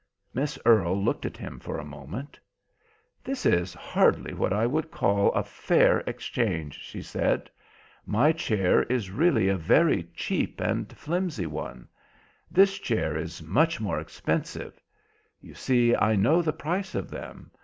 Miss Earle looked at him for a moment. "This is hardly what I would call a fair exchange," she said. "My chair was really a very cheap and flimsy one. This chair is much more expensive. You see, I know the price of them.